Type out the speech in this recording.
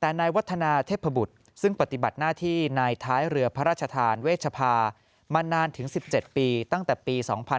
แต่นายวัฒนาเทพบุตรซึ่งปฏิบัติหน้าที่นายท้ายเรือพระราชทานเวชภามานานถึง๑๗ปีตั้งแต่ปี๒๕๕๙